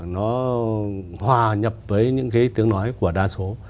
nó hòa nhập với những cái tiếng nói của đa số